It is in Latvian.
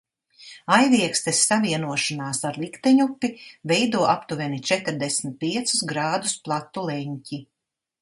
Aiviekstes savienošanās ar likteņupi veido aptuveni četrdesmit piecus grādus platu leņķi.